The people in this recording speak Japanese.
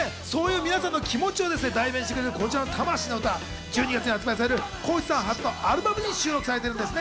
皆さんの気持ちを代弁してくれる魂の歌、１２月に発売される浩市さん初のアルバムに収録されてます。